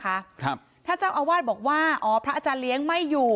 ครับถ้าเจ้าอาวาสบอกว่าอ๋อพระอาจารย์เลี้ยงไม่อยู่